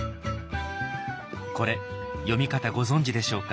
これ読み方ご存じでしょうか？